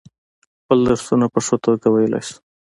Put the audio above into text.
خپل درسونه په ښه توگه ویلای شو.